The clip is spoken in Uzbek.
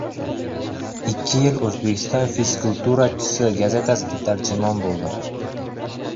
Ikki yil «O‘zbekiston fizkulturachisi» gazetasida tarjimon bo‘ldim.